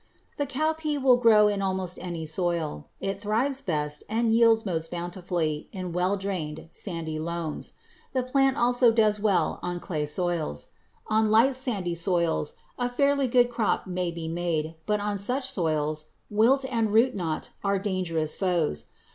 The cowpea will grow in almost any soil. It thrives best and yields most bountifully on well drained sandy loams. The plant also does well on clay soils. On light, sandy soils a fairly good crop may be made, but on such soils, wilt and root knot are dangerous foes.